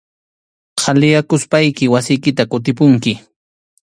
Qhaliyapuspayki wasiykita kutipunki.